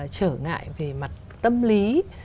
trở ngại về mặt tâm lý